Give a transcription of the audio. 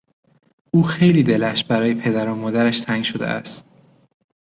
او خیلی دلش برای پدر و مادرش تنگ شده است.